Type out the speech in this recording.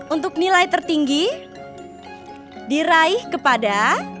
untuk nilai tertinggi diraih kepada